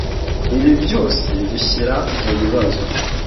Ibi byose binshyira mubibazo